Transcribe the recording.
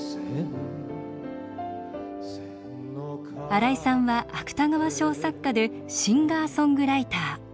新井さんは芥川賞作家でシンガーソングライター。